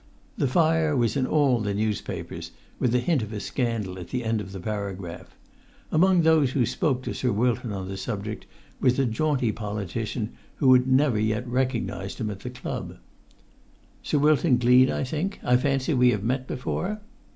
The fire was in all the newspapers, with the hint of a scandal at the end of the paragraph. Among those who spoke to Sir Wilton on the subject was a jaunty politician who had never yet recognised him at the club. "Sir Wilton Gleed, I think? I fancy we have met before?"